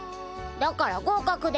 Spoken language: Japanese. だから合格でいい。